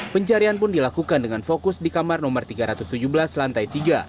pencarian pun dilakukan dengan fokus di kamar nomor tiga ratus tujuh belas lantai tiga